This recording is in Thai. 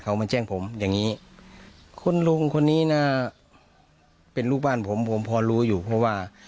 คุณลุงคนนี้นะเป็นลูกบ้านผมผมพอรู้อยู่เพราะว่า